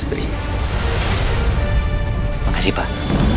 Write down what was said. terima kasih pak